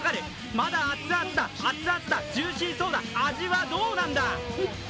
まだ熱々だ、熱々だ、ジューシーそうだ、味はどうなんだ？